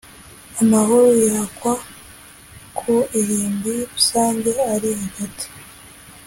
amahoro yakwa ku irimbi rusange ari hagati